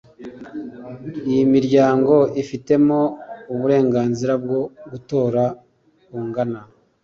Iyi miryango ifitemo uburenganzira bwo gutora bungana